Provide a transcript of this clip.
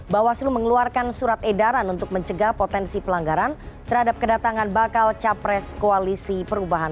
bawaslu mengeluarkan surat edaran untuk mencegah potensi pelanggaran terhadap kedatangan bakal capres koalisi perubahan